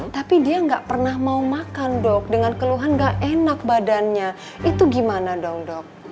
tapi dia nggak pernah mau makan dok dengan keluhan gak enak badannya itu gimana dong dok